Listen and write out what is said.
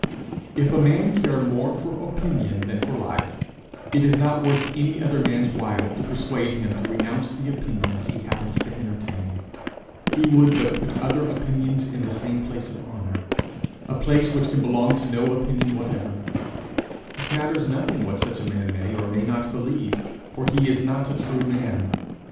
If a man care more for opinion than for life, it is not worth any other man's while to persuade him to renounce the opinions he happens to entertain; he would but put other opinions in the same place of honour a place which can belong to no opinion whatever: it matters nothing what such a man may or may not believe, for he is not a true man.